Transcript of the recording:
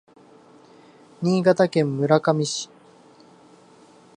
新潟県村上市